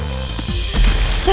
itu buat akibat